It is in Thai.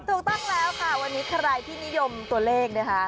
ถูกต้องแล้วค่ะวันนี้ใครที่นิยมตัวเลขนะคะ